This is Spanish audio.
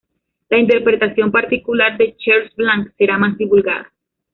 La interpretación particular de Charles Blanc será más divulgada.